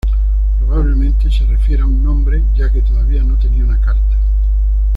Probablemente se refiere a un nombre ya que todavía no tenía una carta.